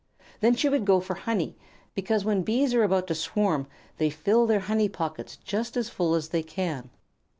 Then she would go for honey, because when Bees are about to swarm they fill their honey pockets just as full as they can.